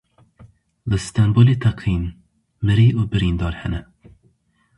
Li Stenbolê teqîn Mirî û birîndar hene.